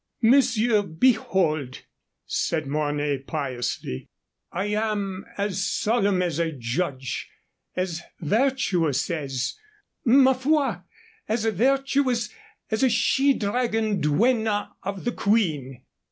"Monsieur, behold," said Mornay, piously, "I am as solemn as a judge as virtuous as ma foi! as virtuous as the she dragon duenna of the Queen."